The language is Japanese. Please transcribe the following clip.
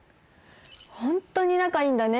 ホントに仲いいんだね